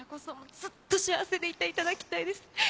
ずっと幸せでいていただきたいです。